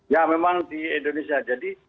ya memang di indonesia jadi